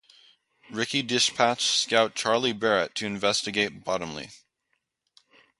Rickey dispatched scout Charley Barrett to investigate Bottomley.